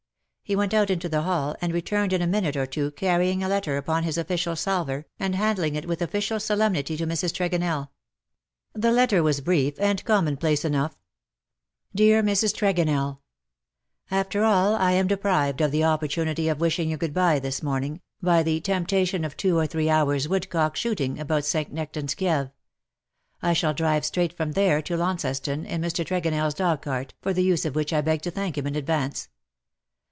He went out into the hall, and returned in a minute or two carrying a letter upon his official salver, and handing it with official solemnity to Mrs. Tregonell. The letter was brief and commonplace enough —" Dear Mrs. Tregonell, —" After all I am deprived of the opportunity of wishing you good by this morning, by the tempta STILL COME NEW WOES. 5 tion of two or three hours^ woodcock shooting about St. Nectan^s Kieve. I shall drive straight from there to Launceston in Mr. TregonelFs dog cart, for the use of which I beg to thank him in advance.